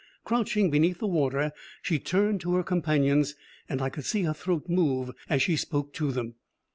Crouching beneath the water, she turned to her companions, and I could see her throat move as she spoke to them.